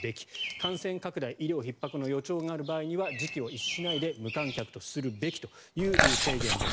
感染拡大医療ひっ迫の予兆がある場合は時機を逸しないで無観客とするべきという提言です。